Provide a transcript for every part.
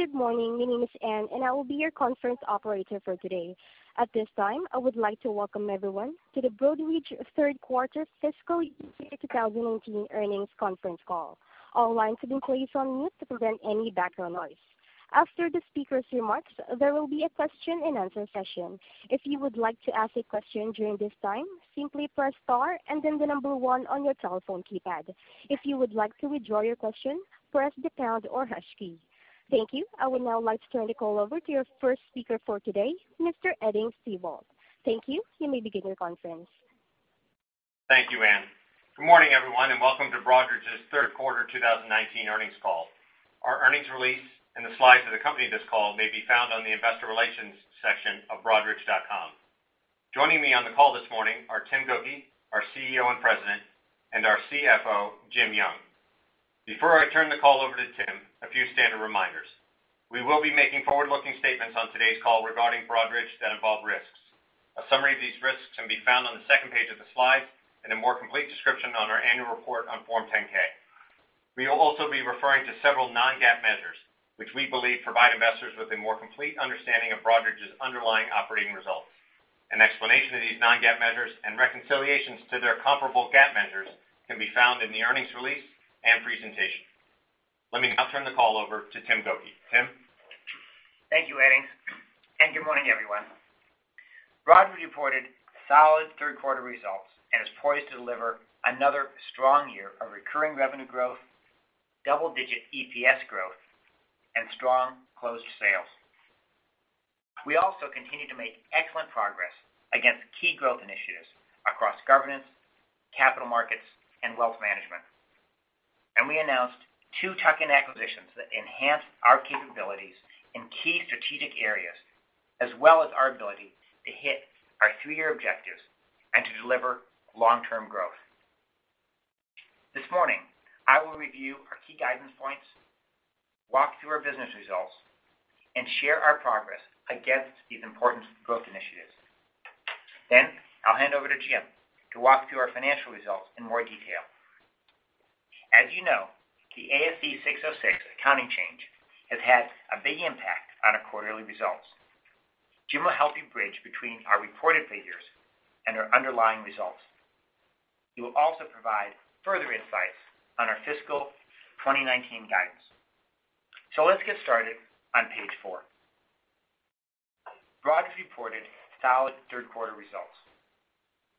Good morning, my name is Anne, and I will be your conference operator for today. At this time, I would like to welcome everyone to the Broadridge third-quarter fiscal year 2019 earnings conference call. All lines will be placed on mute to prevent any background noise. After the speaker's remarks, there will be a question-and-answer session. If you would like to ask a question during this time, simply press star and then the number 1 on your telephone keypad. If you would like to withdraw your question, press the pound or hash key. Thank you. I would now like to turn the call over to your first speaker for today, Mr. Edings Thibault. Thank you may begin your conference. Thank you, Anne. Good morning, everyone, and welcome to Broadridge's third-quarter 2019 earnings call. Our earnings release and the slides that accompany this call may be found on the Investor Relations section of broadridge.com. Joining me on the call this morning are Tim Gokey, our CEO and president, and our CFO, Jim Young. Before I turn the call over to Tim, a few standard reminders. We will be making forward-looking statements on today's call regarding Broadridge that involve risks. A summary of these risks can be found on the second page of the slide and a more complete description on our annual report on Form 10-K. We will also be referring to several non-GAAP measures, which we believe provide investors with a more complete understanding of Broadridge's underlying operating results. An explanation of these non-GAAP measures and reconciliations to their comparable GAAP measures can be found in the earnings release and presentation. Let me now turn the call over to Tim Gokey. Tim? Thank you, Anne. Good morning, everyone. Broadridge reported solid third-quarter results and is poised to deliver another strong year of recurring revenue growth, double-digit EPS growth, and strong closed sales. We also continue to make excellent progress against key growth initiatives across governance, capital markets, and wealth management. We announced two tuck-in acquisitions that enhanced our capabilities in key strategic areas, as well as our ability to hit our three-year objectives and to deliver long-term growth. This morning, I will review our key guidance points, walk through our business results, and share our progress against these important growth initiatives. I'll hand over to Jim to walk through our financial results in more detail. As you know, the ASC 606 accounting change has had a big impact on our quarterly results. Jim will help you bridge between our reported figures and our underlying results. He will also provide further insights on our fiscal 2019 guidance. Let's get started on page 4. Broadridge reported solid third-quarter results.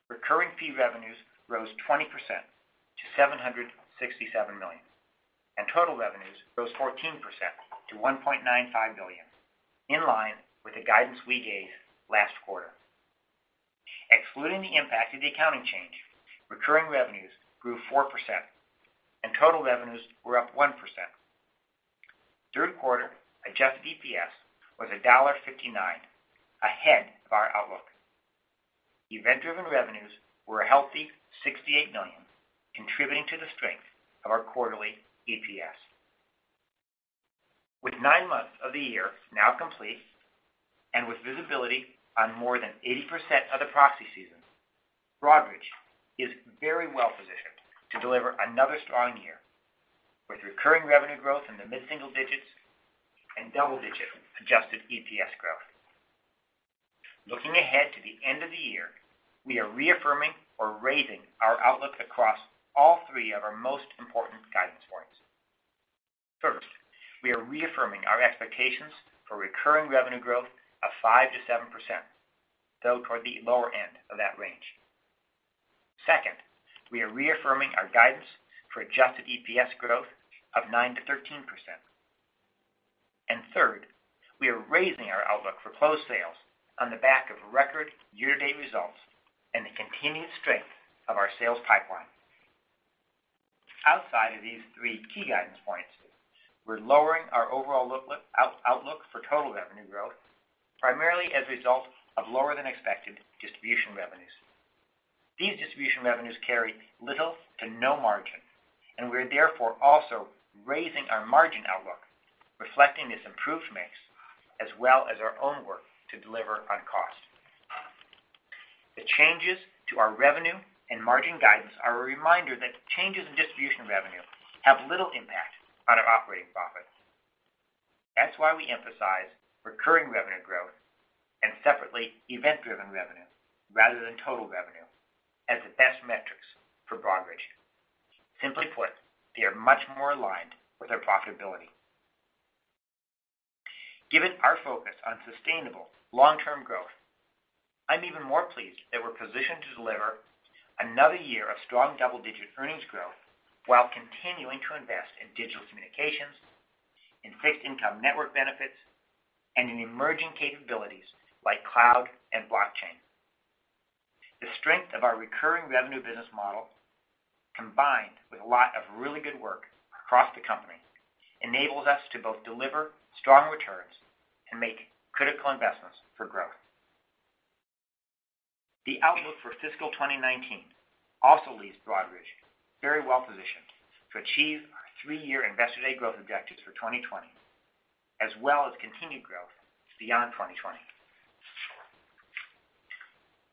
Recurring fee revenues rose 20% to $767 million, and total revenues rose 14% to $1.95 billion, in line with the guidance we gave last quarter. Excluding the impact of the accounting change, recurring revenues grew 4%, and total revenues were up 1%. Third-quarter adjusted EPS was $1.59, ahead of our outlook. Event-driven revenues were a healthy $68 million, contributing to the strength of our quarterly EPS. With nine months of the year now complete and with visibility on more than 80% of the proxy season, Broadridge is very well positioned to deliver another strong year, with recurring revenue growth in the mid-single digits and double-digit adjusted EPS growth. Looking ahead to the end of the year, we are reaffirming or raising our outlook across all three of our most important guidance points. First, we are reaffirming our expectations for recurring revenue growth of 5%-7%, though toward the lower end of that range. Second, we are reaffirming our guidance for adjusted EPS growth of 9%-13%. Third, we are raising our outlook for closed sales on the back of record year-to-date results and the continued strength of our sales pipeline. Outside of these three key guidance points, we're lowering our overall outlook for total revenue growth, primarily as a result of lower-than-expected distribution revenues. These distribution revenues carry little to no margin, and we are therefore also raising our margin outlook, reflecting this improved mix, as well as our own work to deliver on cost. The changes to our revenue and margin guidance are a reminder that changes in distribution revenue have little impact on our operating profits. That's why we emphasize recurring revenue growth and separately event-driven revenue rather than total revenue, as the best metrics for Broadridge. Simply put, they are much more aligned with our profitability. Given our focus on sustainable long-term growth, I'm even more pleased that we're positioned to deliver another year of strong double-digit earnings growth while continuing to invest in digital communications, in fixed-income network benefits, and in emerging capabilities like cloud and blockchain. The strength of our recurring revenue business model, combined with a lot of really good work across the company, enables us to both deliver strong returns and make critical investments for growth. The outlook for fiscal 2019 also leaves Broadridge very well positioned to achieve our three-year Investor Day growth objectives for 2020, as well as continued growth beyond 2020.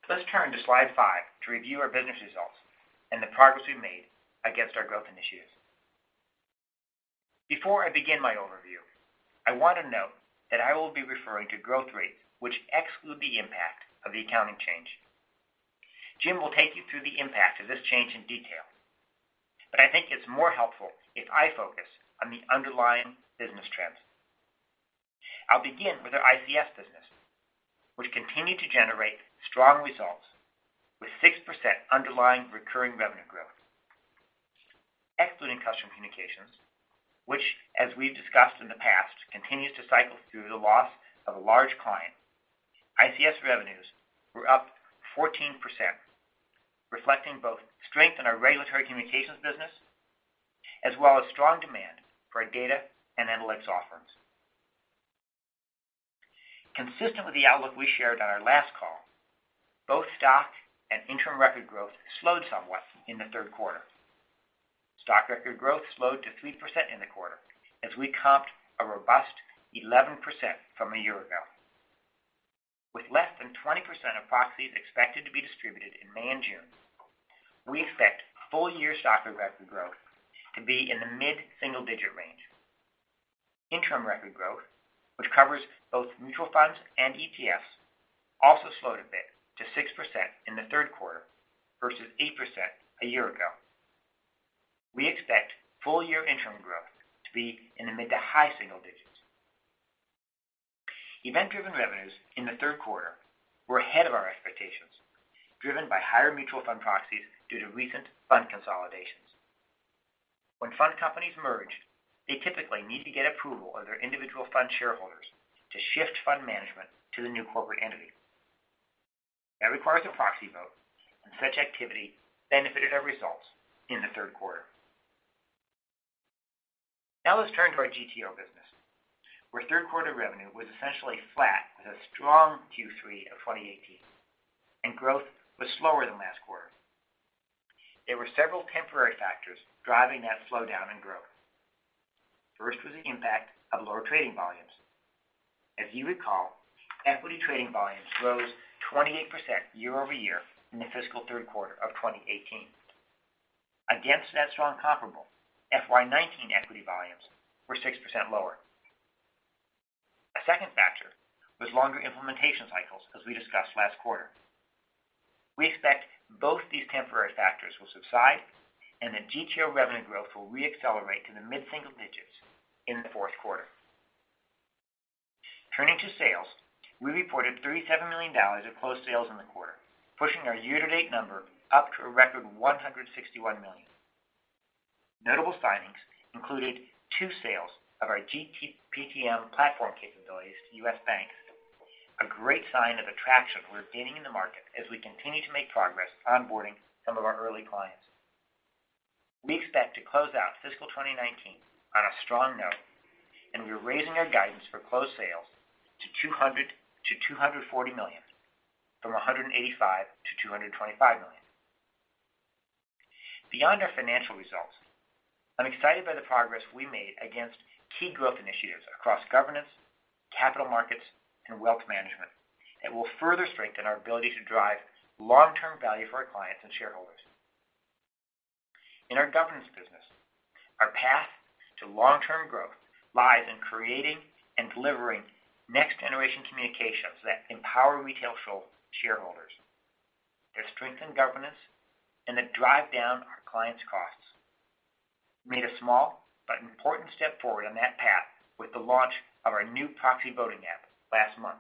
Let's turn to slide 5 to review our business results and the progress we've made against our growth initiatives. Before I begin my overview, I want to note that I will be referring to Growth Rate, which excludes the impact of the accounting change. Jim will take you through the impact of this change in detail, but I think it's more helpful if I focus on the underlying business trends. I'll begin with our ICS business, which continued to generate strong results with 6% underlying recurring revenue growth. Excluding customer communications, which, as we've discussed in the past, continues to cycle through the loss of a large client, ICS revenues were up 14%, reflecting both strength in our regulatory communications business as well as strong demand for our data and analytics offerings. Consistent with the outlook we shared on our last call, both stock and interim record growth slowed somewhat in the third quarter. Stock record growth slowed to 3% in the quarter as we comped a robust 11% from a year ago. With less than 20% of proxies expected to be distributed in May and June, we expect full-year stock record growth to be in the mid-single digit range. Interim record growth, which covers both mutual funds and ETFs, also slowed a bit to 6% in the third quarter versus 8% a year ago. We expect full-year interim growth to be in the mid to high single digits. Event-driven revenues in the third quarter were ahead of our expectations, driven by higher mutual fund proxies due to recent fund consolidations. When fund companies merge, they typically need to get approval of their individual fund shareholders to shift fund management to the new corporate entity. That requires a proxy vote, and such activity benefited our results in the third quarter. Let's turn to our GTO business, where third-quarter revenue was essentially flat with a strong Q3 of 2018, and growth was slower than last quarter. There were several temporary factors driving that slowdown in growth. First was the impact of lower trading volumes. As you recall, equity trading volumes rose 28% year-over-year in the fiscal third quarter of 2018. Against that strong comparable, FY 2019 equity volumes were 6% lower. A second factor was longer implementation cycles, as we discussed last quarter. We expect both these temporary factors will subside, and that GTO revenue growth will reaccelerate to the mid-single digits in the fourth quarter. Turning to sales, we reported $37 million of closed sales in the quarter, pushing our year-to-date number up to a record $161 million. Notable signings included two sales of our GPTM platform capabilities to U.S. banks, a great sign of the traction we're gaining in the market as we continue to make progress onboarding some of our early clients. We expect to close out fiscal 2019 on a strong note, and we're raising our guidance for closed sales to $240 million, from $185 million-$225 million. Beyond our financial results, I'm excited by the progress we made against key growth initiatives across governance, capital markets, and wealth management that will further strengthen our ability to drive long-term value for our clients and shareholders. In our governance business, our path to long-term growth lies in creating and delivering next-generation communications that empower retail shareholders, that strengthen governance, and that drive down our clients' costs. We made a small but important step forward on that path with the launch of our new proxy voting app last month.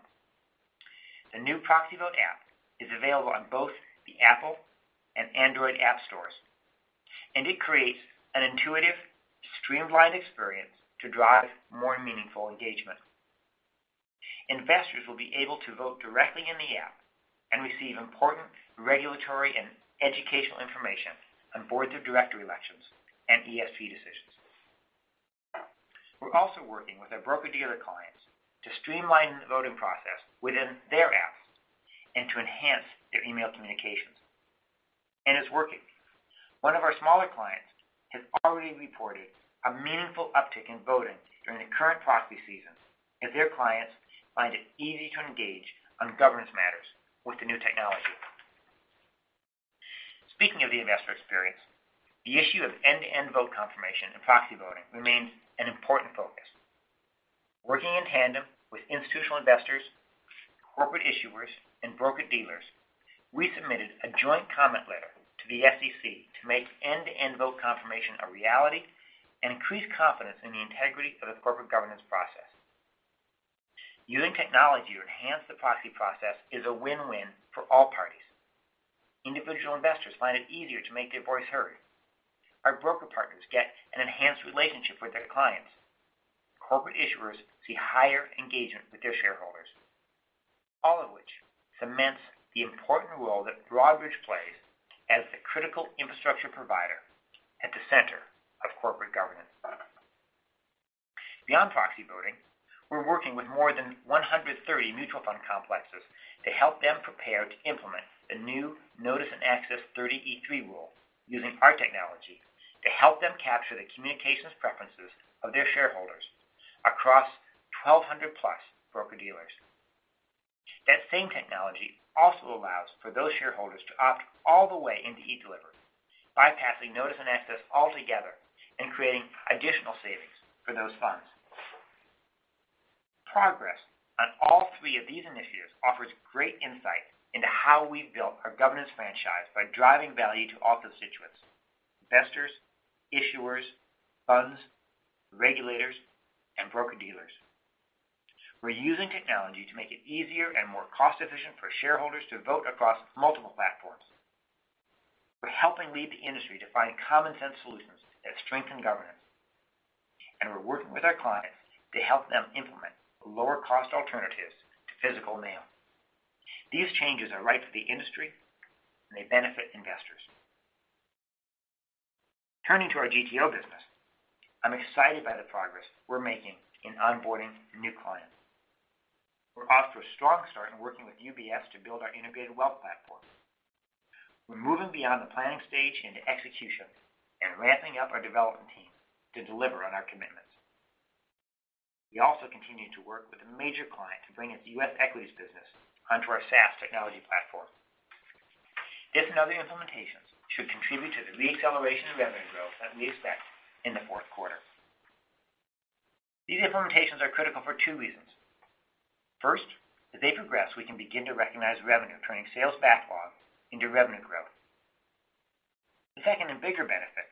The new ProxyVote app is available on both the Apple and Android app stores, and it creates an intuitive, streamlined experience to drive more meaningful engagement. Investors will be able to vote directly in the app and receive important regulatory and educational information on Board of Director elections and ESG decisions. We're also working with our broker-dealer clients to streamline the voting process within their apps and to enhance their email communications. It's working. One of our smaller clients has already reported a meaningful uptick in voting during the current proxy seasons as their clients find it easy to engage on governance matters with the new technology. Speaking of the investor experience, the issue of end-to-end vote confirmation and proxy voting remains an important focus. Working in tandem with institutional investors, corporate issuers, and broker-dealers, we submitted a joint comment letter to the SEC to make end-to-end vote confirmation a reality and increase confidence in the integrity of the corporate governance process. Using technology to enhance the proxy process is a win-win for all parties. Individual investors find it easier to make their voice heard. Our broker partners get an enhanced relationship with their clients. Corporate issuers see higher engagement with their shareholders, all of which cements the important role that Broadridge plays as the critical infrastructure provider at the center of corporate governance. Beyond proxy voting, we're working with more than 130 mutual fund complexes to help them prepare to implement the new Notice and Access 30(e)(3) rule using our technology to help them capture the communications preferences of their shareholders across 1,200-plus broker-dealers. That same technology also allows for those shareholders to opt all the way into e-delivery, bypassing Notice and Access altogether and creating additional savings for those funds. Progress on all three of these initiatives offers great insight into how we've built our governance franchise by driving value to all constituents: investors, issuers, funds, regulators, and broker-dealers. We're using technology to make it easier and more cost-efficient for shareholders to vote across multiple platforms. We're helping lead the industry to find common-sense solutions that strengthen governance, we're working with our clients to help them implement lower-cost alternatives to physical mail. These changes are right for the industry, they benefit investors. Turning to our GTO business, I'm excited by the progress we're making in onboarding new clients. We're off to a strong start in working with UBS to build our integrated wealth platform. We're moving beyond the planning stage into execution and ramping up our development team to deliver on our commitments. We continue to work with a major client to bring its U.S. equities business onto our SaaS technology platform. This and other implementations should contribute to the reacceleration of revenue growth that we expect in the fourth quarter. These implementations are critical for two reasons. First, as they progress, we can begin to recognize revenue turning sales backlog into revenue growth. The second and bigger benefit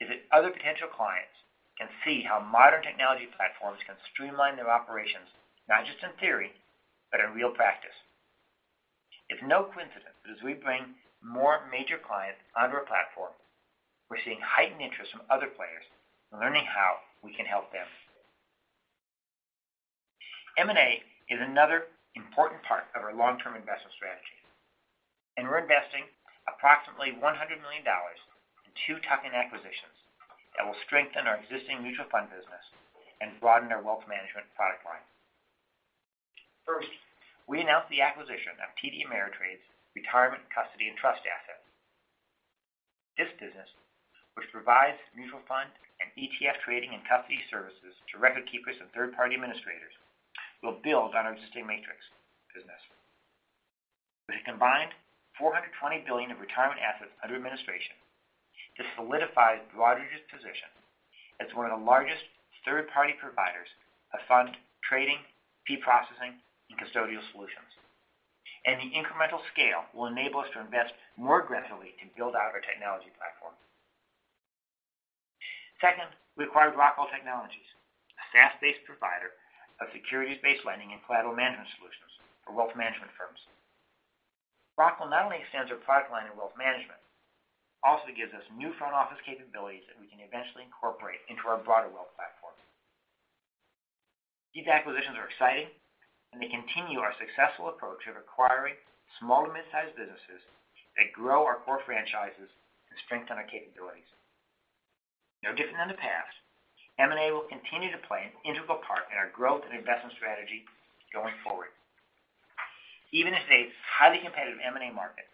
is that other potential clients can see how modern technology platforms can streamline their operations not just in theory, but in real practice. It's no coincidence that as we bring more major clients onto our platform, we're seeing heightened interest from other players and learning how we can help them. M&A is another important part of our long-term investment strategy, we're investing approximately $100 million in two tuck-in acquisitions that will strengthen our existing mutual fund business and broaden our wealth management product line. First, we announced the acquisition of TD Ameritrade's Retirement Custody and Trust Asset. This business, which provides mutual fund and ETF trading and custody services to record keepers and third-party administrators, will build on our sustained Matrix business. With a combined $420 billion of retirement assets under administration, this solidifies Broadridge's position as one of the largest third-party providers of fund trading, fee processing, and custodial solutions, and the incremental scale will enable us to invest more aggressively to build out our technology platform. Second, we acquired Rockall Technologies, a SaaS-based provider of securities-based lending and collateral management solutions for wealth management firms. Rockall not only extends our product line in wealth management, it also gives us new front-office capabilities that we can eventually incorporate into our broader wealth platforms. These acquisitions are exciting, and they continue our successful approach of acquiring small to mid-sized businesses that grow our core franchises and strengthen our capabilities. No different than the past, M&A will continue to play an integral part in our growth and investment strategy going forward. Even in today's highly competitive M&A market,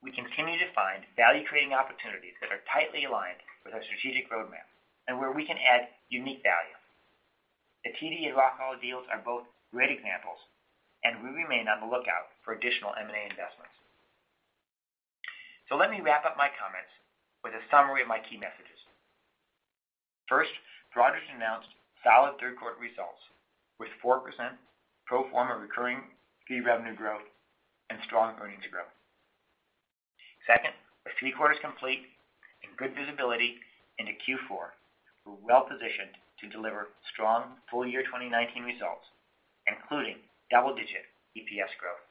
we continue to find value trading opportunities that are tightly aligned with our strategic roadmap and where we can add unique value. The TD and Rockall deals are both great examples, and we remain on the lookout for additional M&A investments. Let me wrap up my comments with a summary of my key messages. First, Broadridge announced solid third-quarter results with 4% pro forma recurring fee revenue growth and strong earnings growth. Second, with three quarters complete and good visibility into Q4, we're well positioned to deliver strong full-year 2019 results, including double-digit EPS growth.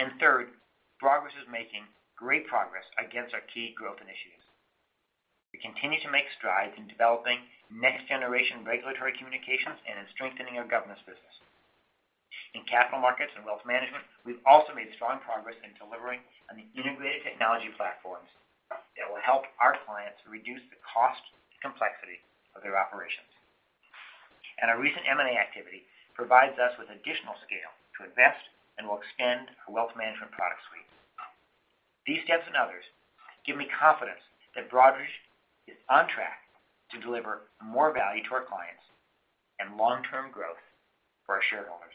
And third, Broadridge is making great progress against our key growth initiatives. We continue to make strides in developing next-generation regulatory communications and in strengthening our governance business. In capital markets and wealth management, we've also made strong progress in delivering on the integrated technology platforms that will help our clients reduce the cost and complexity of their operations. And our recent M&A activity provides us with additional scale to invest and will extend our wealth management product suite. These steps and others give me confidence that Broadridge is on track to deliver more value to our clients and long-term growth for our shareholders.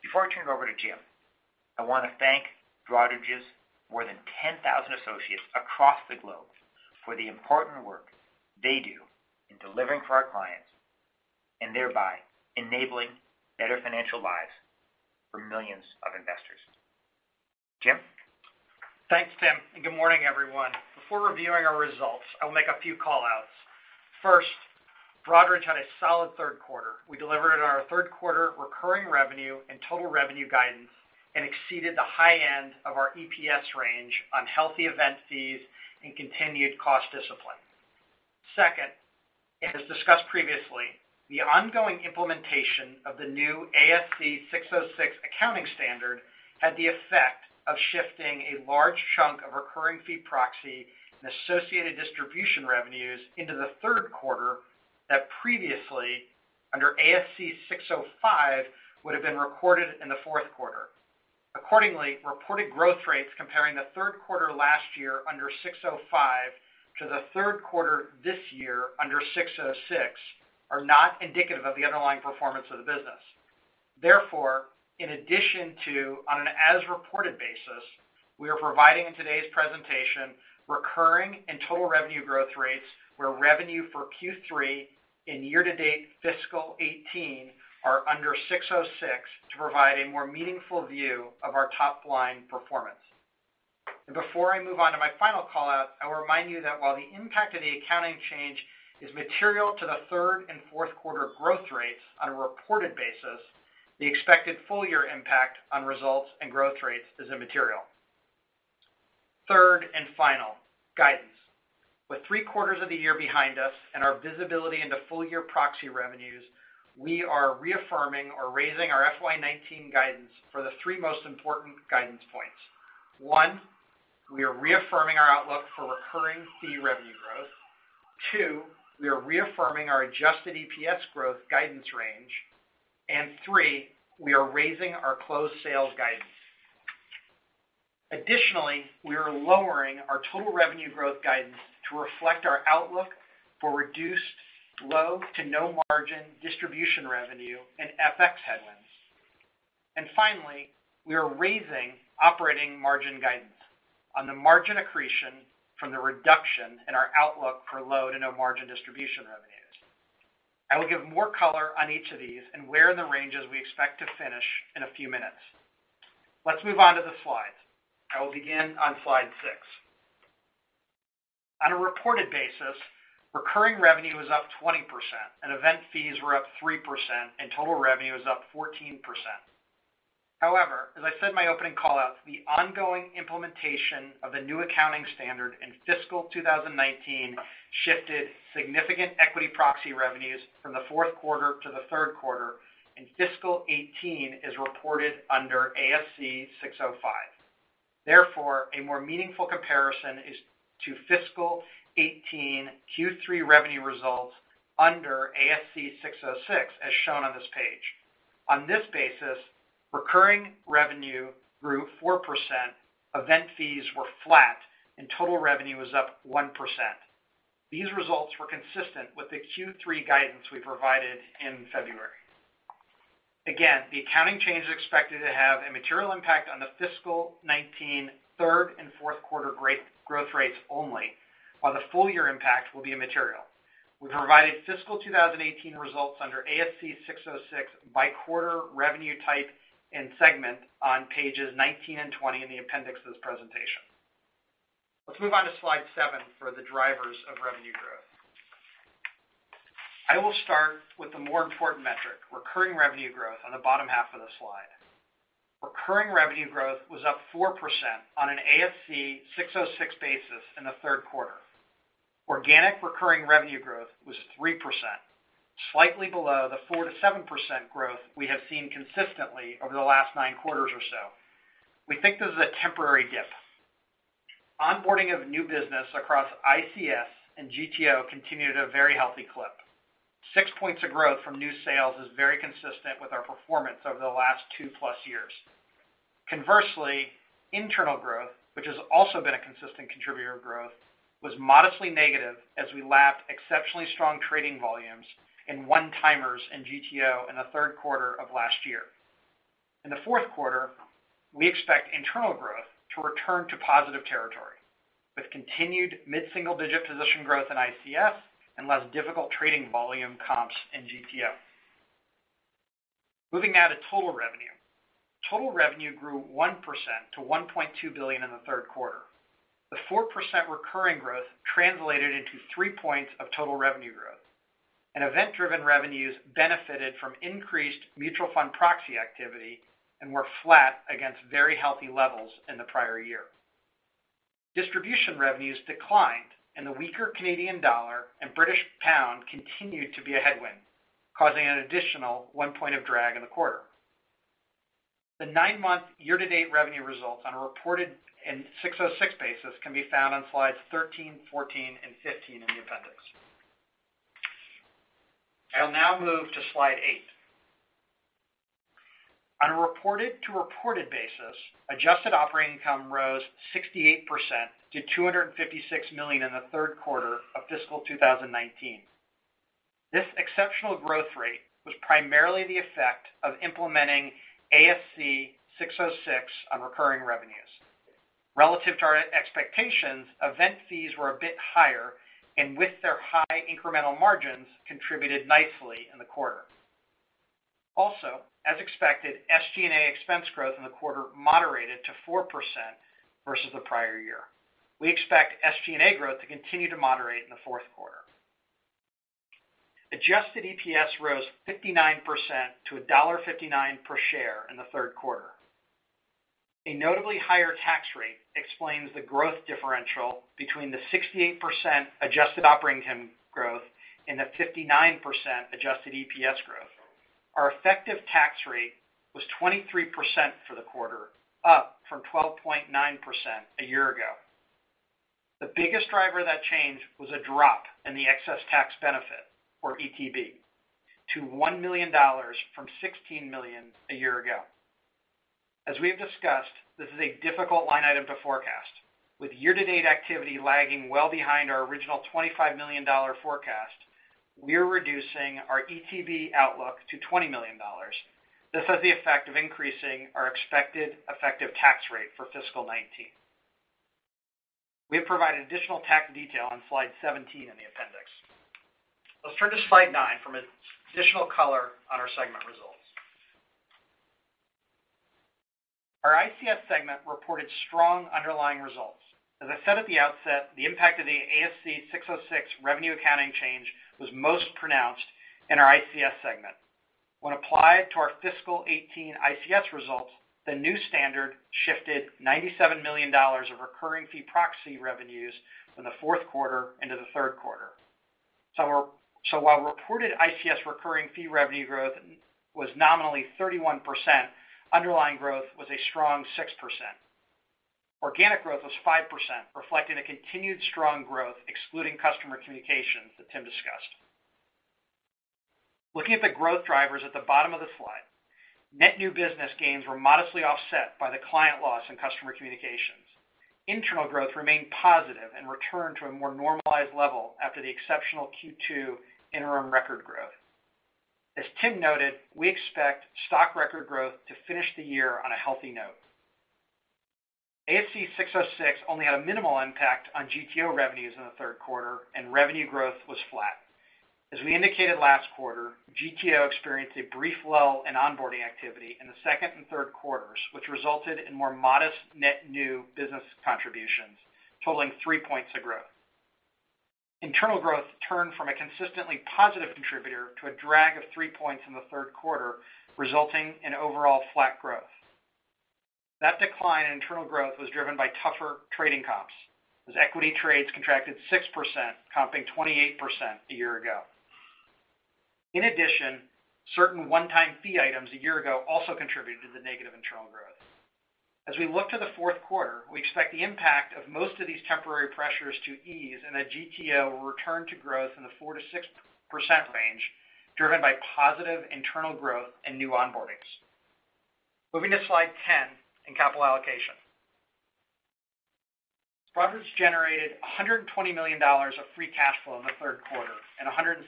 Before I turn it over to Jim, I want to thank Broadridge's more than 10,000 associates across the globe for the important work they do in delivering for our clients and thereby enabling better financial lives for millions of investors. Jim? Thanks, Tim, and good morning, everyone. Before reviewing our results, I'll make a few callouts. First, Broadridge had a solid third quarter. We delivered on our third quarter recurring revenue and total revenue guidance and exceeded the high end of our EPS range on healthy event fees and continued cost discipline. Second, as discussed previously, the ongoing implementation of the new ASC 606 accounting standard had the effect of shifting a large chunk of recurring fee proxy and associated distribution revenues into the third quarter that previously, under ASC 605, would have been recorded in the fourth quarter. Accordingly, reported growth rates comparing the third quarter last year under 605 to the third quarter this year under 606 are not indicative of the underlying performance of the business. Therefore, in addition to, on an as-reported basis, we are providing in today's presentation recurring and total revenue growth rates where revenue for Q3 in year-to-date fiscal 2018 are under 606 to provide a more meaningful view of our top-line performance. Before I move on to my final callout, I will remind you that while the impact of the accounting change is material to the third and fourth quarter growth rates on a reported basis, the expected full-year impact on results and growth rates is immaterial. Third and final, guidance. With three quarters of the year behind us and our visibility into full-year proxy revenues, we are reaffirming or raising our FY 2019 guidance for the three most important guidance points. One, we are reaffirming our outlook for recurring fee revenue growth. Two, we are reaffirming our adjusted EPS growth guidance range. Three, we are raising our closed sales guidance. Additionally, we are lowering our total revenue growth guidance to reflect our outlook for reduced low-to-no-margin distribution revenue and FX headwinds. Finally, we are raising operating margin guidance on the margin accretion from the reduction in our outlook for low-to-no-margin distribution revenues. I will give more color on each of these and where in the ranges we expect to finish in a few minutes. Let's move on to the slides. I will begin on slide six. On a reported basis, recurring revenue was up 20%, and event fees were up 3%, and total revenue was up 14%. However, as I said in my opening callouts, the ongoing implementation of the new accounting standard in fiscal 2019 shifted significant equity proxy revenues from the fourth quarter to the third quarter, and fiscal 2018 is reported under ASC 605. Therefore, a more meaningful comparison is to fiscal 2018 Q3 revenue results under ASC 606, as shown on this page. On this basis, recurring revenue grew 4%, event fees were flat, and total revenue was up 1%. These results were consistent with the Q3 guidance we provided in February. The accounting change is expected to have a material impact on the fiscal 2019 third and fourth quarter growth rates only, while the full-year impact will be immaterial. We provided fiscal 2018 results under ASC 606 by quarter, revenue type, and segment on pages 19 and 20 in the appendix to this presentation. Let's move on to slide seven for the drivers of revenue growth. I will start with the more important metric, recurring revenue growth, on the bottom half of this slide. Recurring revenue growth was up 4% on an ASC 606 basis in the third quarter. Organic recurring revenue growth was 3%, slightly below the 4%-7% growth we have seen consistently over the last nine quarters or so. We think this is a temporary dip. Onboarding of new business across ICS and GTO continued at a very healthy clip. Six points of growth from new sales is very consistent with our performance over the last two-plus years. Conversely, internal growth, which has also been a consistent contributor of growth, was modestly negative as we lapped exceptionally strong trading volumes in one-timers in GTO in the third quarter of last year. In the fourth quarter, we expect internal growth to return to positive territory, with continued mid-single-digit position growth in ICS and less difficult trading volume comps in GTO. Moving now to total revenue. Total revenue grew 1% to $1.2 billion in the third quarter. The 4% recurring growth translated into three points of total revenue growth. Event-driven revenues benefited from increased mutual fund proxy activity and were flat against very healthy levels in the prior year. Distribution revenues declined, the weaker Canadian dollar and British pound continued to be a headwind, causing an additional one point of drag in the quarter. The nine-month year-to-date revenue results on a reported and ASC 606 basis can be found on slides 13, 14, and 15 in the appendix. I will now move to slide eight. On a reported-to-reported basis, adjusted operating income rose 68% to $256 million in the third quarter of fiscal 2019. This exceptional growth rate was primarily the effect of implementing ASC 606 on recurring revenues. Relative to our expectations, event fees were a bit higher, and with their high incremental margins, contributed nicely in the quarter. Also, as expected, SG&A expense growth in the quarter moderated to 4% versus the prior year. We expect SG&A growth to continue to moderate in the fourth quarter. Adjusted EPS rose 59% to $1.59 per share in the third quarter. A notably higher tax rate explains the growth differential between the 68% adjusted operating income growth and the 59% adjusted EPS growth. Our effective tax rate was 23% for the quarter, up from 12.9% a year ago. The biggest driver of that change was a drop in the excess tax benefit, or ETB, to $1 million from $16 million a year ago. As we have discussed, this is a difficult line item to forecast. With year-to-date activity lagging well behind our original $25 million forecast, we are reducing our ETB outlook to $20 million. This has the effect of increasing our expected effective tax rate for fiscal 2019. We have provided additional tax detail on slide 17 in the appendix. Let's turn to slide nine for additional color on our segment results. Our ICS segment reported strong underlying results. As I said at the outset, the impact of the ASC 606 revenue accounting change was most pronounced in our ICS segment. When applied to our fiscal 2018 ICS results, the new standard shifted $97 million of recurring fee proxy revenues from the fourth quarter into the third quarter. While reported ICS recurring fee revenue growth was nominally 31%, underlying growth was a strong 6%. Organic growth was 5%, reflecting a continued strong growth excluding Broadridge Customer Communications that Tim discussed. Looking at the growth drivers at the bottom of the slide, net new business gains were modestly offset by the client loss in Broadridge Customer Communications. Internal growth remained positive and returned to a more normalized level after the exceptional Q2 interim record growth. As Tim noted, we expect stock record growth to finish the year on a healthy note. ASC 606 only had a minimal impact on GTO revenues in the third quarter, and revenue growth was flat. As we indicated last quarter, GTO experienced a brief lull in onboarding activity in the second and third quarters, which resulted in more modest net new business contributions, totaling three points of growth. Internal growth turned from a consistently positive contributor to a drag of three points in the third quarter, resulting in overall flat growth. That decline in internal growth was driven by tougher trading comps, as equity trades contracted 6%, comping 28% a year ago. In addition, certain one-time fee items a year ago also contributed to the negative internal growth. As we look to the fourth quarter, we expect the impact of most of these temporary pressures to ease and that GTO will return to growth in the 4%-6% range, driven by positive internal growth and new onboardings. Moving to slide 10 and capital allocation. Broadridge generated $120 million of free cash flow in the third quarter and $172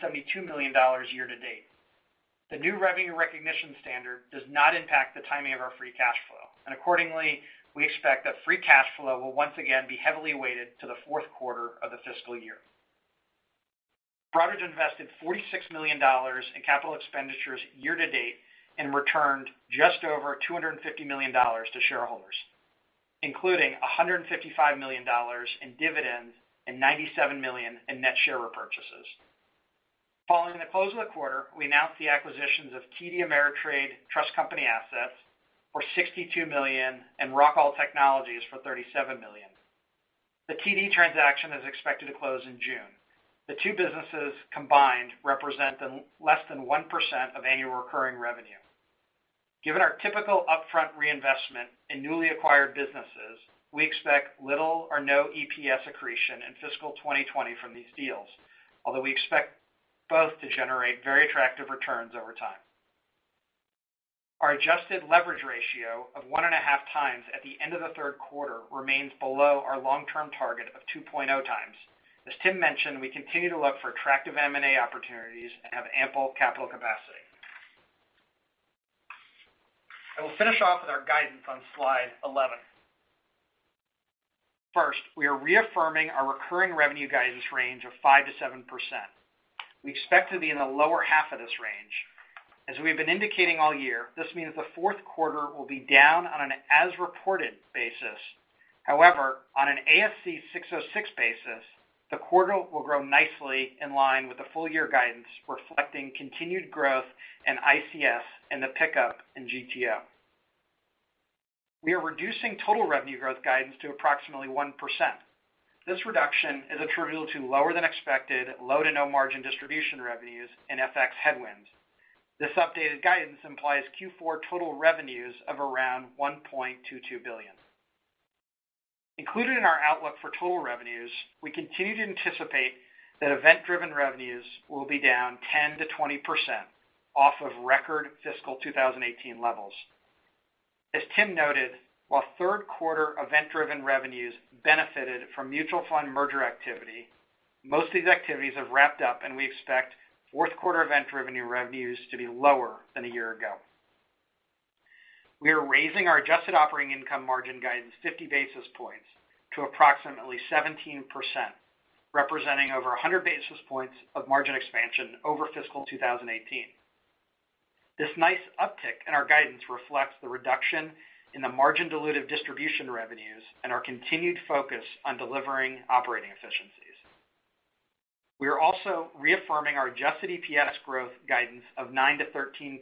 million year-to-date. The new revenue recognition standard does not impact the timing of our free cash flow, and accordingly, we expect that free cash flow will once again be heavily weighted to the fourth quarter of the fiscal year. Broadridge invested $46 million in capital expenditures year-to-date and returned just over $250 million to shareholders, including $155 million in dividends and $97 million in net share repurchases. Following the close of the quarter, we announced the acquisitions of TD Ameritrade Trust Company Assets for $62 million and Rockall Technologies for $37 million. The TD transaction is expected to close in June. The two businesses combined represent less than 1% of annual recurring revenue. Given our typical upfront reinvestment in newly acquired businesses, we expect little or no EPS accretion in fiscal 2020 from these deals, although we expect both to generate very attractive returns over time. Our adjusted leverage ratio of one and a half times at the end of the third quarter remains below our long-term target of 2.0 times. Tim mentioned, we continue to look for attractive M&A opportunities and have ample capital capacity. I will finish off with our guidance on slide 11. First, we are reaffirming our recurring revenue guidance range of 5%-7%. We expect to be in the lower half of this range. We have been indicating all year, this means the fourth quarter will be down on an as-reported basis. However, on an ASC 606 basis, the quarter will grow nicely in line with the full-year guidance, reflecting continued growth in ICS and the pickup in GTO. We are reducing total revenue growth guidance to approximately 1%. This reduction is attributable to lower-than-expected, low-to-no-margin distribution revenues and FX headwinds. This updated guidance implies Q4 total revenues of around $1.22 billion. Included in our outlook for total revenues, we continue to anticipate that event-driven revenues will be down 10%-20% off of record fiscal 2018 levels. Tim noted, while third-quarter event-driven revenues benefited from mutual fund merger activity, most of these activities have wrapped up and we expect fourth-quarter event-driven revenues to be lower than a year ago. We are raising our adjusted operating income margin guidance 50 basis points to approximately 17%, representing over 100 basis points of margin expansion over fiscal 2018. This nice uptick in our guidance reflects the reduction in the margin dilutive distribution revenues and our continued focus on delivering operating efficiencies. We are also reaffirming our adjusted EPS growth guidance of 9%-13%,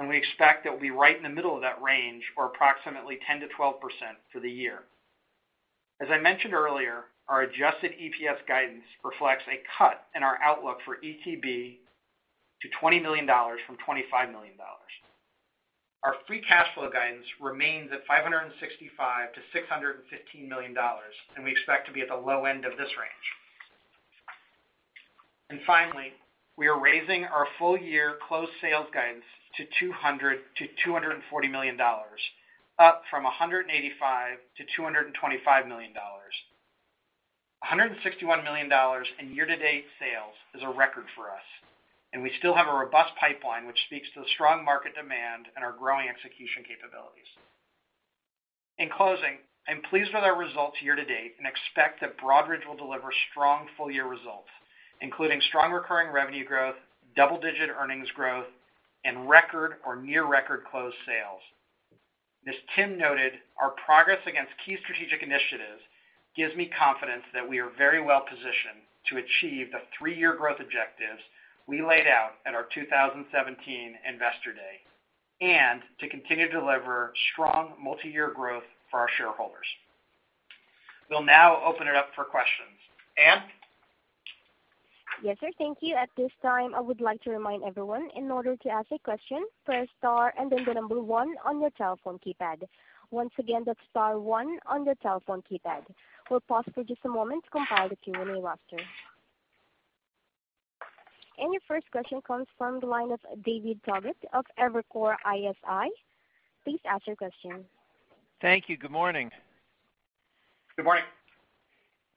and we expect it will be right in the middle of that range or approximately 10%-12% for the year. I mentioned earlier, our adjusted EPS guidance reflects a cut in our outlook for ETB to $20 million from $25 million. Our free cash flow guidance remains at $565 million-$615 million, and we expect to be at the low end of this range. Finally, we are raising our full-year closed sales guidance to $200 million-$240 million, up from $185 million-$225 million. $161 million in year-to-date sales is a record for us, and we still have a robust pipeline which speaks to the strong market demand and our growing execution capabilities. In closing, I am pleased with our results year-to-date and expect that Broadridge will deliver strong full-year results, including strong recurring revenue growth, double-digit earnings growth, and record or near-record closed sales. As Tim noted, our progress against key strategic initiatives gives me confidence that we are very well positioned to achieve the three-year growth objectives we laid out at our 2017 Investor Day and to continue to deliver strong multi-year growth for our shareholders. We'll now open it up for questions. Anne? Yes, sir. Thank you. At this time, I would like to remind everyone, in order to ask a question, press star and then the number one on your telephone keypad. Once again, that's star one on your telephone keypad. We'll pause for just a moment to compile the Q&A roster. Your first question comes from the line of David Togut of Evercore ISI. Please ask your question. Thank you. Good morning. Good morning.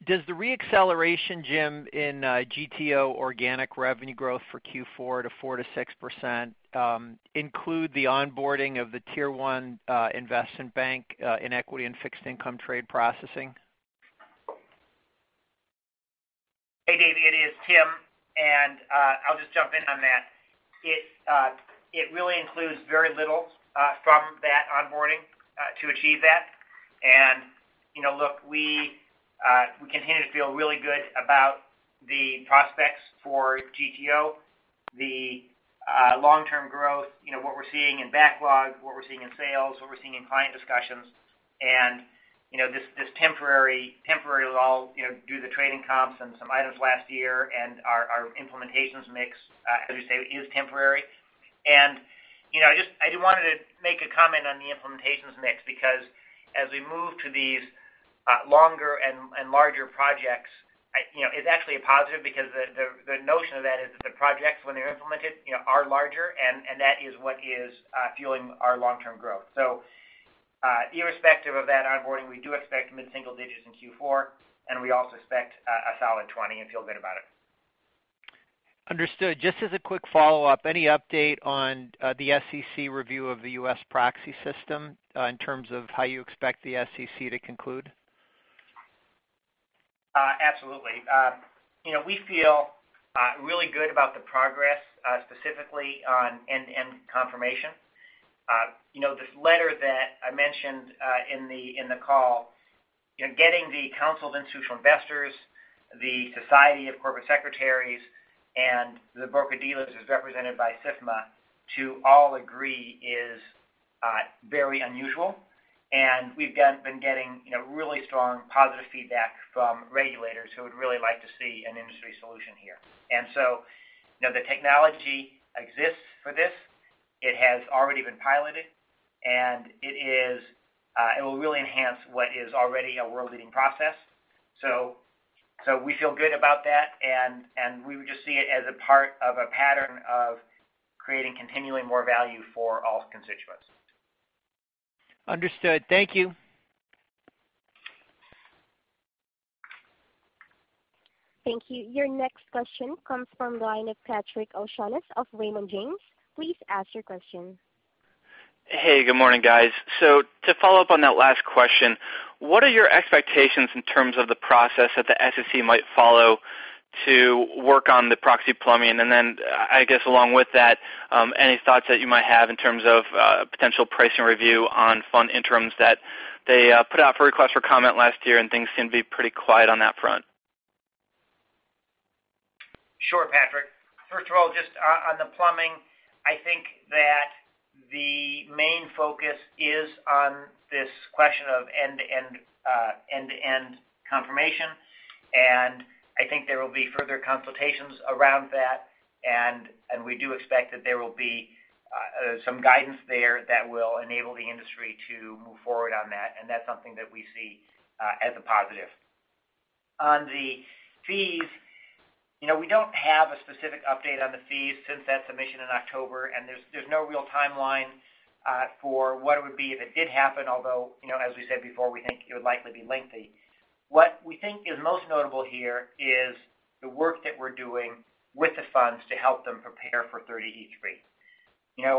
Does the reacceleration, Jim, in GTO organic revenue growth for Q4 to 4%-6% include the onboarding of the Tier 1 Investment Bank in equity and fixed income trade processing? Hey, David. It is, Tim. I'll just jump in on that. It really includes very little from that onboarding to achieve that. Look, we continue to feel really good about the prospects for GTO, the long-term growth, what we're seeing in backlog, what we're seeing in sales, what we're seeing in client discussions. This temporary we'll all do the trading comps and some items last year, our implementations mix, as we say, is temporary. I just wanted to make a comment on the implementations mix because as we move to these longer and larger projects, it's actually a positive because the notion of that is that the projects, when they're implemented, are larger, and that is what is fueling our long-term growth. Irrespective of that onboarding, we do expect mid-single digits in Q4, we also expect a solid 2020 and feel good about it. Understood. Just as a quick follow-up, any update on the SEC review of the U.S. proxy system in terms of how you expect the SEC to conclude? Absolutely. We feel really good about the progress, specifically on end-to-end confirmation. This letter that I mentioned in the call, getting the Council of Institutional Investors, the Society of Corporate Secretaries, and the broker-dealers as represented by SIFMA to all agree is very unusual. We've been getting really strong positive feedback from regulators who would really like to see an industry solution here. The technology exists for this. It has already been piloted. It will really enhance what is already a world-leading process. We feel good about that. We would just see it as a part of a pattern of creating continually more value for all constituents. Understood. Thank you. Thank you. Your next question comes from the line of Patrick O'Shaughnessy of Raymond James. Please ask your question. Hey, good morning, guys. to follow up on that last question, what are your expectations in terms of the process that the SEC might follow to work on the proxy plumbing? Then, I guess, along with that, any thoughts that you might have in terms of potential pricing review on fund interims that they put out for requests for comment last year, and things seem to be pretty quiet on that front. Sure, Patrick. First of all, just on the plumbing, I think that the main focus is on this question of end-to-end confirmation. I think there will be further consultations around that. We do expect that there will be some guidance there that will enable the industry to move forward on that. That's something that we see as a positive. On the fees, we don't have a specific update on the fees since that submission in October. there's no real timeline for what it would be if it did happen, although, as we said before, we think it would likely be lengthy. What we think is most notable here is the work that we're doing with the funds to help them prepare for Rule 30e-3.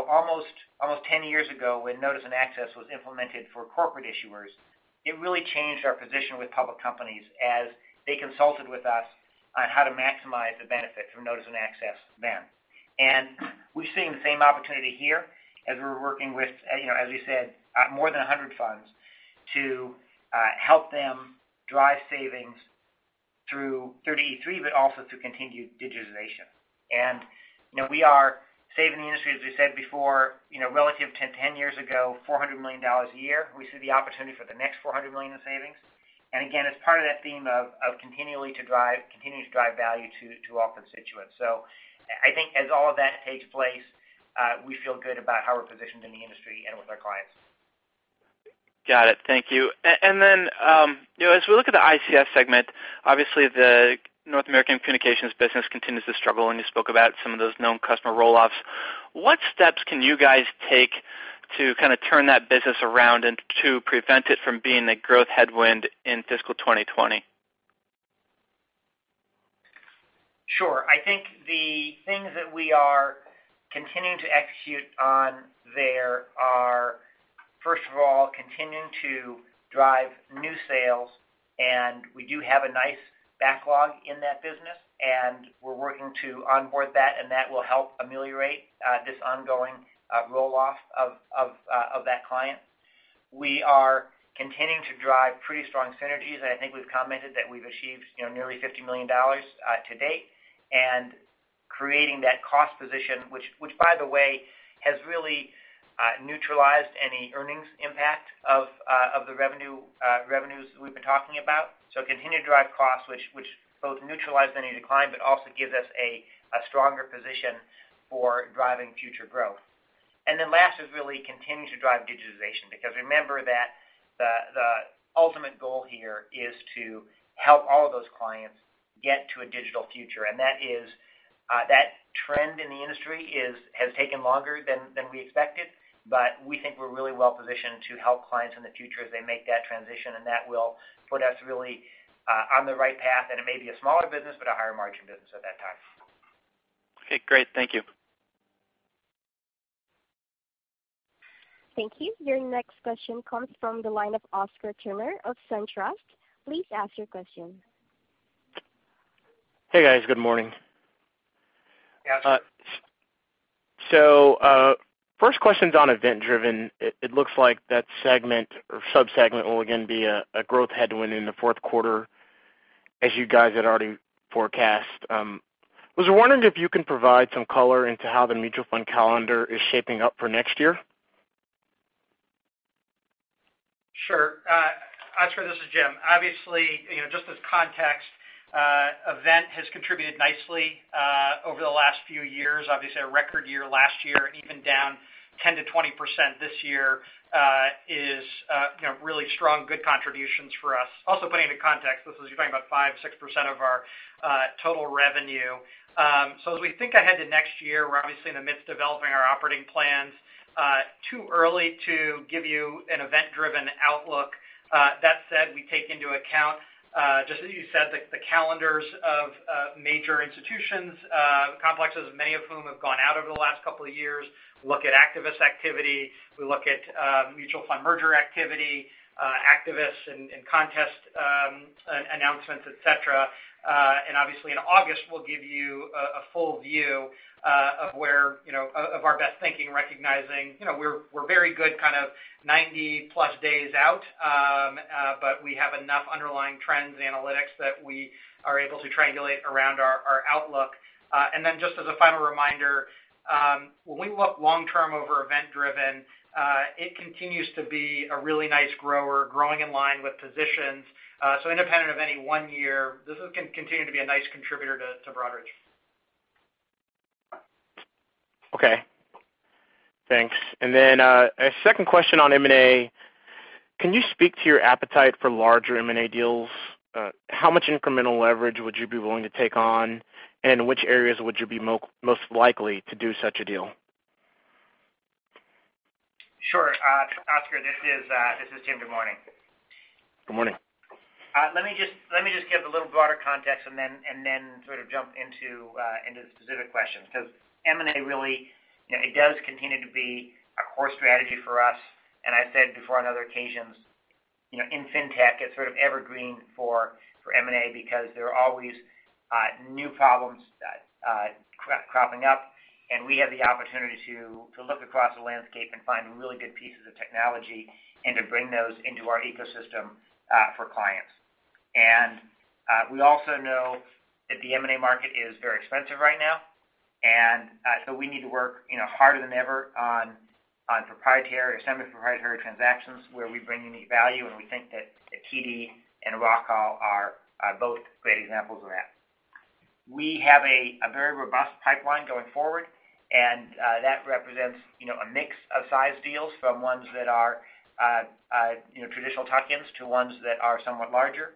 Almost 10 years ago, when Notice and Access was implemented for corporate issuers, it really changed our position with public companies as they consulted with us on how to maximize the benefits from Notice and Access then. We're seeing the same opportunity here as we're working with, as we said, more than 100 funds to help them drive savings through Rule 30e-3, but also through continued digitization. We are saving the industry, as we said before, relative to 10 years ago, $400 million a year. We see the opportunity for the next $400 million in savings. again, it's part of that theme of continually to drive value to all constituents. I think as all of that takes place, we feel good about how we're positioned in the industry and with our clients. Got it. Thank you. Then, as we look at the ICS segment, obviously, the North American Customer Communications business continues to struggle, and you spoke about some of those known customer rolloffs. What steps can you guys take to kind of turn that business around and to prevent it from being a growth headwind in fiscal 2020? Sure. I think the things that we are continuing to execute on there are, first of all, continuing to drive new sales. We do have a nice backlog in that business, and we're working to onboard that, and that will help ameliorate this ongoing rolloff of that client. We are continuing to drive pretty strong synergies. I think we've commented that we've achieved nearly $50 million to date, and creating that cost position, which, by the way, has really neutralized any earnings impact of the revenues that we've been talking about. Continue to drive costs, which both neutralize any decline, but also gives us a stronger position for driving future growth. Then last is really continuing to drive digitization because remember that the ultimate goal here is to help all of those clients get to a digital future. That trend in the industry has taken longer than we expected, but we think we're really well positioned to help clients in the future as they make that transition. That will put us really on the right path, and it may be a smaller business, but a higher-margin business at that time. Okay.Great. Thank you. Thank you. Your next question comes from the line of Oscar Turner of SunTrust. Please ask your question. Hey, guys. Good morning. First question's on event-driven. It looks like that segment or subsegment will again be a growth headwind in the 4th quarter, as you guys had already forecast. I was wondering if you can provide some color into how the mutual fund calendar is shaping up for next year. Sure. Oscar, this is Jim. Obviously, just as context, event has contributed nicely over the last few years. Obviously, a record year last year, and even down 10%-20% this year is really strong, good contributions for us. Putting into context, this is you're talking about 5%-6% of our total revenue. As we think ahead to next year, we're obviously in the midst developing our operating plans. Too early to give you an event-driven outlook. That said, we take into account, just as you said, the calendars of major institutions, complexes of many of whom have gone out over the last couple of years. We look at activist activity. We look at mutual fund merger activity, activists in contest announcements, etc. In August, we'll give you a full view of our best thinking, recognizing we're very good kind of 90+ days out, but we have enough underlying trends and analytics that we are able to triangulate around our outlook. Just as a final reminder, when we look long-term over event-driven, it continues to be a really nice grower, growing in line with positions. Independent of any one year, this can continue to be a nice contributor to Broadridge. Okay. Thanks. A second question on M&A. Can you speak to your appetite for larger M&A deals? How much incremental leverage would you be willing to take on, and in which areas would you be most likely to do such a deal? Sure. Oscar, this is Jim. Good morning. Good morning. Let me just give the little broader context and then sort of jump into the specific questions because M&A really does continue to be a core strategy for us. I've said before on other occasions, in fintech, it's sort of evergreen for M&A because there are always new problems cropping up. We have the opportunity to look across the landscape and find really good pieces of technology and to bring those into our ecosystem for clients. We also know that the M&A market is very expensive right now. We need to work harder than ever on proprietary or semi-proprietary transactions where we bring unique value. We think that TD and Rockall are both great examples of that. We have a very robust pipeline going forward, and that represents a mix of size deals from ones that are traditional tuck-ins to ones that are somewhat larger.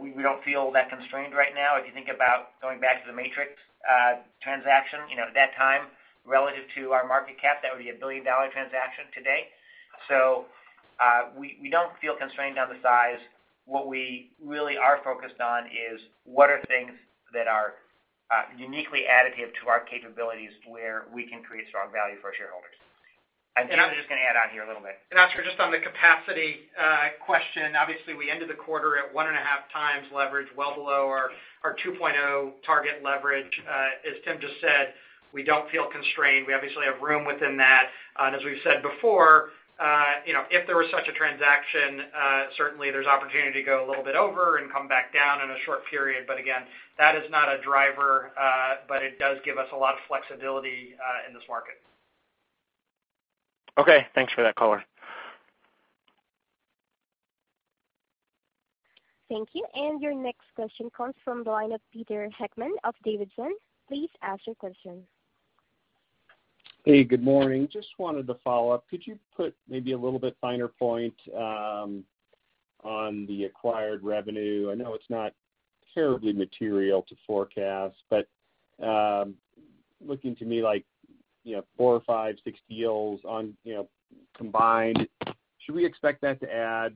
We don't feel that constrained right now. If you think about going back to the Matrix transaction, at that time, relative to our market cap, that would be a billion-dollar transaction today. We don't feel constrained on the size. What we really are focused on is what are things that are uniquely additive to our capabilities where we can create strong value for our shareholders. I'm just going to add on here a little bit. Oscar, just on the capacity question, obviously, we ended the quarter at 1.5 times leverage, well below our 2.0 target leverage. As Tim just said, we don't feel constrained. We obviously have room within that. As we've said before, if there was such a transaction, certainly, there's opportunity to go a little bit over and come back down in a short period. Again, that is not a driver, but it does give us a lot of flexibility in this market. Okay. Thanks for that color. Thank you. Your next question comes from the line of Peter Heckmann of D.A. Davidson. Please ask your question. Hey, good morning. Just wanted to follow up. Could you put maybe a little bit finer point on the acquired revenue? I know it's not terribly material to forecast, but looking to me like four, five, six deals combined, should we expect that to add,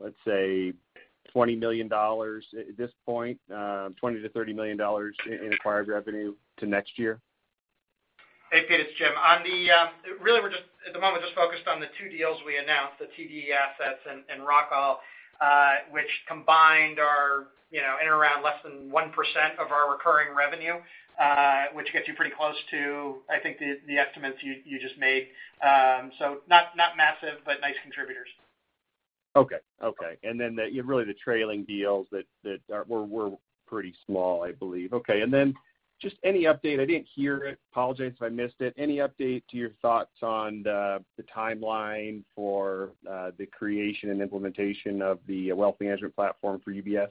let's say, $20 million at this point, $20 million-$30 million in acquired revenue to next year? Hey, Peter. It's Jim. Really, at the moment, we're just focused on the two deals we announced, the TD assets and Rockall, which combined are in around less than 1% of our recurring revenue, which gets you pretty close to, I think, the estimates you just made. Not massive, but nice contributors. Okay. Okay. Really the trailing deals that we're pretty small, I believe. Okay. Just any update? I didn't hear it. Apologize if I missed it. Any update to your thoughts on the timeline for the creation and implementation of the wealth management platform for UBS?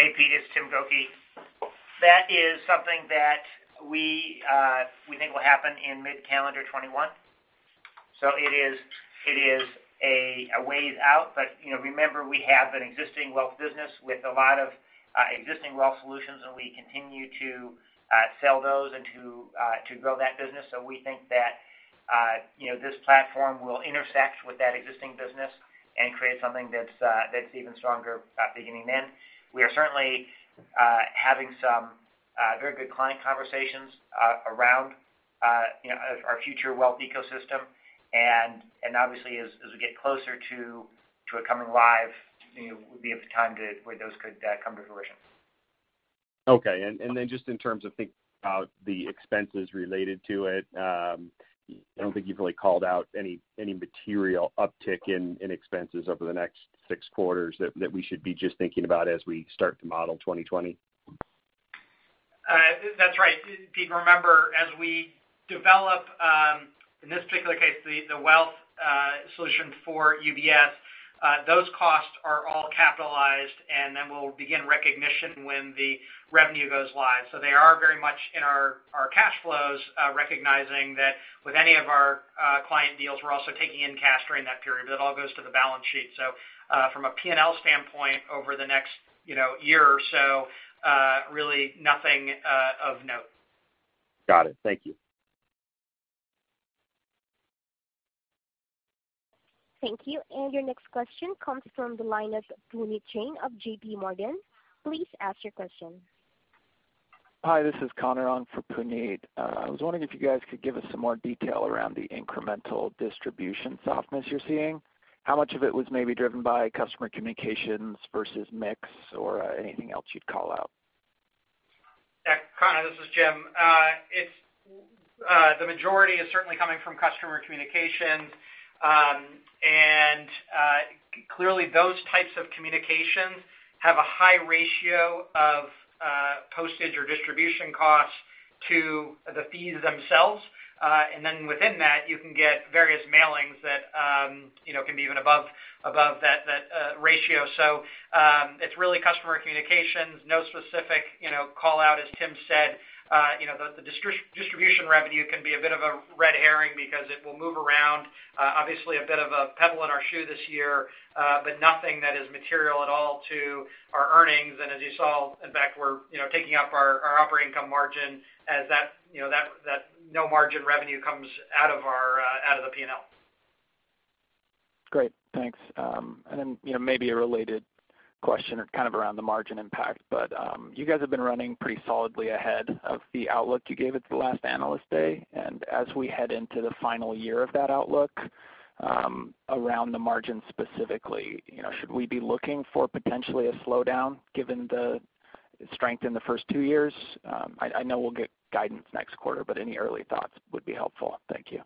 Hey, Peter. It's Tim Gokey. That is something that we think will happen in mid-calendar 2021. It is a way out. Remember, we have an existing wealth business with a lot of existing wealth solutions, and we continue to sell those and to grow that business. We think that this platform will intersect with that existing business and create something that's even stronger beginning then. We are certainly having some very good client conversations around our future wealth ecosystem. Obviously, as we get closer to it coming live, we have time where those could come to fruition. Okay. Just in terms of thinking about the expenses related to it, I don't think you've really called out any material uptick in expenses over the next six quarters that we should be just thinking about as we start to model 2020. That's right. Pete, remember, as we develop, in this particular case, the wealth solution for UBS, those costs are all capitalized, and then we'll begin recognition when the revenue goes live. They are very much in our cash flows, recognizing that with any of our client deals, we're also taking in cash during that period. It all goes to the balance sheet. From a P&L standpoint, over the next year or so, really nothing of note. Got it. Thank you. Thank you. Your next question comes from the line of Puneet Jain of J.P. Morgan. Please ask your question. Hi. This is Conor on for Puneet. I was wondering if you guys could give us some more detail around the incremental distribution softness you're seeing. How much of it was maybe driven by customer communications versus mix or anything else you'd call out? Conor, this is Jim. The majority is certainly coming from customer communications. Clearly, those types of communications have a high ratio of postage or distribution costs to the fees themselves. Within that, you can get various mailings that can be even above that ratio. It's really customer communications, no specific callout, as Tim said. The distribution revenue can be a bit of a red herring because it will move around. A bit of a pebble in our shoe this year, but nothing that is material at all to our earnings. As you saw, in fact, we're taking up our operating income margin as that no-margin revenue comes out of the P&L. Great. Thanks. Maybe a related question kind of around the margin impact, but you guys have been running pretty solidly ahead of the outlook you gave at the last Investor Day. As we head into the final year of that outlook, around the margin specifically, should we be looking for potentially a slowdown given the strength in the first two years? I know we'll get guidance next quarter, but any early thoughts would be helpful. Thank you.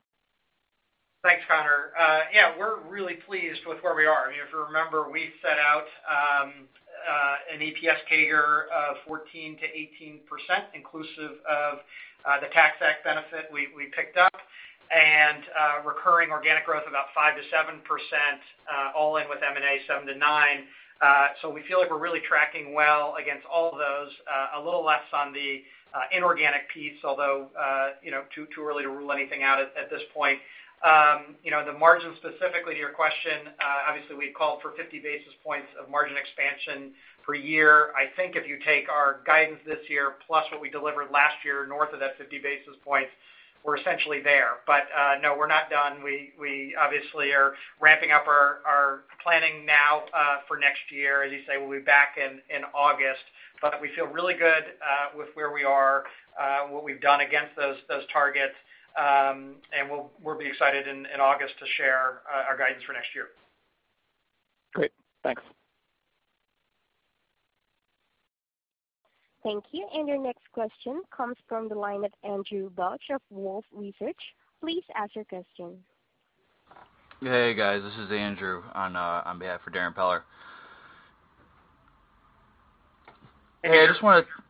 Thanks, Conor. We're really pleased with where we are. If you remember, we set out an EPS CAGR of 14%-18% inclusive of the tax act benefit we picked up and recurring organic growth about 5%-7%, all in with M&A 7%-9%. We feel like we're really tracking well against all of those, a little less on the inorganic piece, although too early to rule anything out at this point. The margin specifically to your question, we've called for 50 basis points of margin expansion per year. I think if you take our guidance this year plus what we delivered last year north of that 50 basis points, we're essentially there. No, we're not done. We are ramping up our planning now for next year. As you say, we'll be back in August. We feel really good with where we are, what we've done against those targets. We'll be excited in August to share our guidance for next year. Great. Thanks. Thank you. Your next question comes from the line of Andrew Steinerman of Wolfe Research. Please ask your question. Hey, guys. This is Andrew on behalf of Darrin Peller.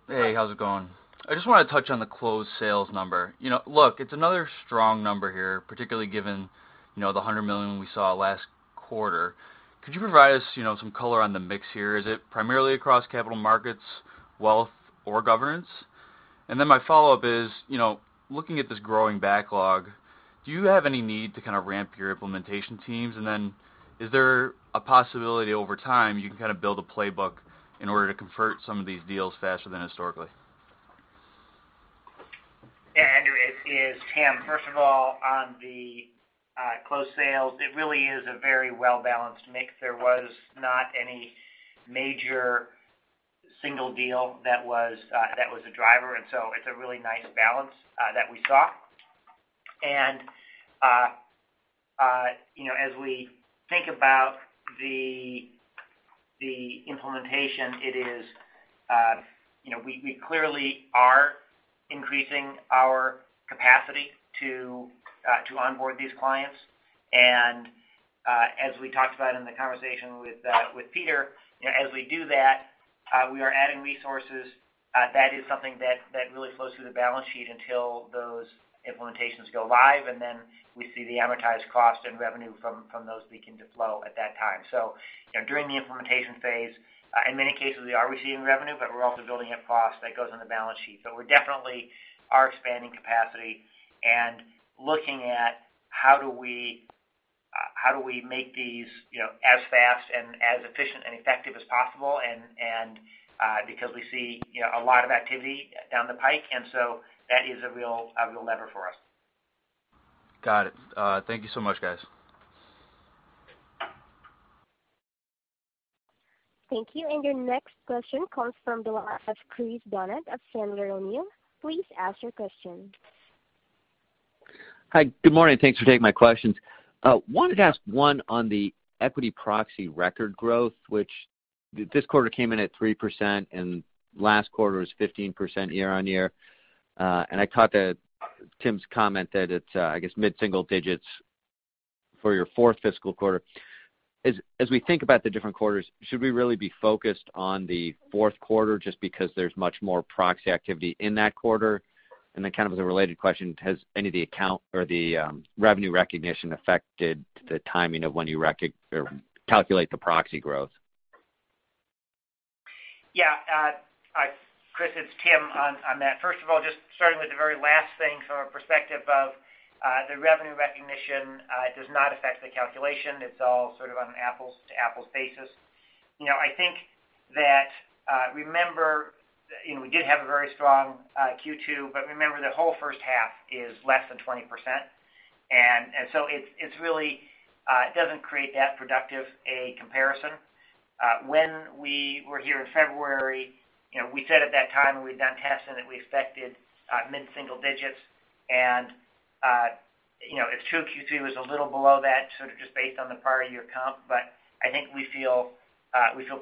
How's it going? I want to touch on the closed sales number. Look, it's another strong number here, particularly given the $100 million we saw last quarter. Could you provide us some color on the mix here? Is it primarily across capital markets, wealth, or governance? My follow-up is, looking at this growing backlog, do you have any need to kind of ramp your implementation teams? Is there a possibility over time you can kind of build a playbook in order to convert some of these deals faster than historically? Andrew. It is, Tim. First of all, on the closed sales, it really is a very well-balanced mix. There was not any major single deal that was a driver. It's a really nice balance that we saw. As we think about the implementation, we clearly are increasing our capacity to onboard these clients. As we talked about in the conversation with Peter, as we do that, we are adding resources. That is something that really flows through the balance sheet until those implementations go live. Then we see the amortized cost and revenue from those begin to flow at that time. During the implementation phase, in many cases, we are receiving revenue, but we're also building up costs that goes on the balance sheet. We're definitely expanding capacity and looking at how do we make these as fast and as efficient and effective as possible because we see a lot of activity down the pike. That is a real lever for us. Got it. Thank you so much, guys. Thank you. Your next question comes from the line of Chris Donat of Sandler O'Neill. Please ask your question. Hi. Good morning. Thanks for taking my questions. I wanted to ask one on the equity proxy record growth, which this quarter came in at 3%, and last quarter was 15% year-over-year. I caught Tim Gokey's comment that it's, I guess, mid-single digits for your fourth fiscal quarter. As we think about the different quarters, should we really be focused on the fourth quarter just because there's much more proxy activity in that quarter? Kind of as a related question, has any of the account or the revenue recognition affected the timing of when you calculate the proxy growth? Yeah. Chris, it's Tim Gokey on that. First of all, just starting with the very last thing from a perspective of the revenue recognition, it does not affect the calculation. It's all sort of on an apples-to-apples basis. Remember, we did have a very strong Q2, but remember, the whole first half is less than 20%. It really doesn't create that productive comparison. When we were here in February, we said at that time when we'd done testing that we expected mid-single digits. If Q3 was a little below that, sort of just based on the prior year comp, but I think we feel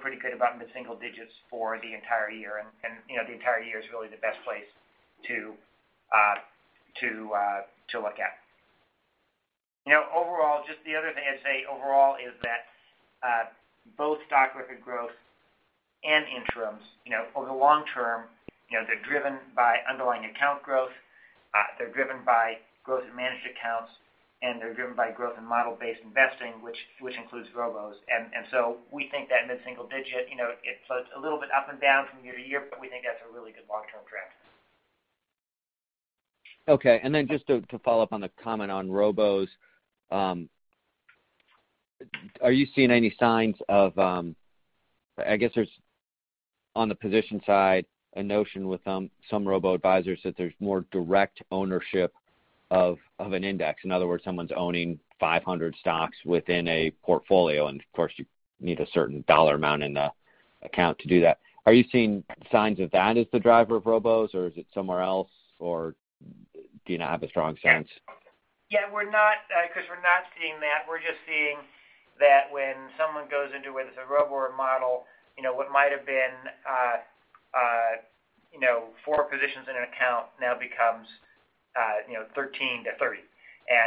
pretty good about mid-single digits for the entire year. The entire year is really the best place to look at. Overall, just the other thing I'd say overall is that both stock record growth and interims, over the long term, they're driven by underlying account growth. They're driven by growth in managed accounts, and they're driven by growth in model-based investing, which includes Robos. We think that mid-single digit, it floats a little bit up and down from year to year, but we think that's a really good long-term trend. Okay. Just to follow up on the comment on Robos, are you seeing any signs of I guess there's, on the position side, a notion with some Robo advisors that there's more direct ownership of an index. In other words, someone's owning 500 stocks within a portfolio. Of course, you need a certain dollar amount in the account to do that. Are you seeing signs of that as the driver of Robos, or is it somewhere else, or do you not have a strong sense? Yeah. Yeah. We're not seeing that. We're just seeing that when someone goes into with a Robo model, what might have been four positions in an account now becomes 13 to 30.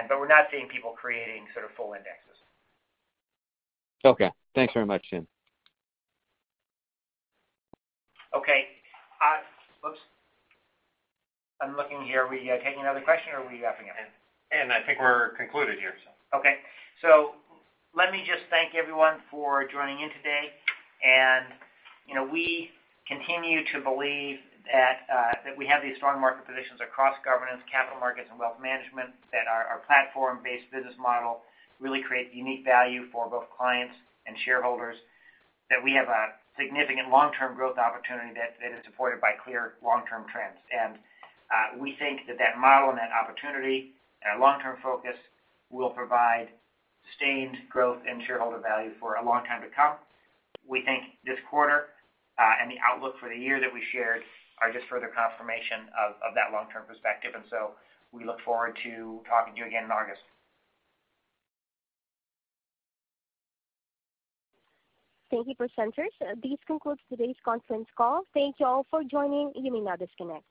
We're not seeing people creating sort of full indexes. Okay. Thanks very much, Tim. Okay. Whoops. I'm looking here. Are we taking another question, or are we wrapping up? I think we're concluded here, so. Okay. Let me just thank everyone for joining in today. We continue to believe that we have these strong market positions across governance, capital markets, and wealth management, that our platform-based business model really creates unique value for both clients and shareholders, that we have a significant long-term growth opportunity that is supported by clear long-term trends. We think that that model and that opportunity and our long-term focus will provide sustained growth and shareholder value for a long time to come. We think this quarter and the outlook for the year that we shared are just further confirmation of that long-term perspective. We look forward to talking to you again in August. Thank you for presenters. This concludes today's conference call. Thank you all for joining. You may now disconnect.